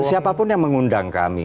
siapapun yang mengundang kami